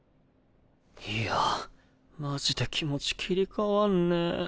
いやマジで気持ち切り替わんねぇ。